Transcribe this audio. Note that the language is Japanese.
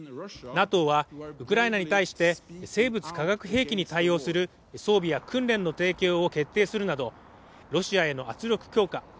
ＮＡＴＯはウクライナに対して生物・化学兵器に対応する装備や訓練の提供を決定するなどロシアへの圧力強化